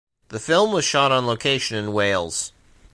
The film was shot on location in Wales.